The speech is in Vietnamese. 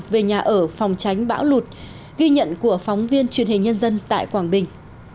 về nhà ở phòng tránh bão lụt ghi nhận của phóng viên truyền hình nhân dân tại quảng bình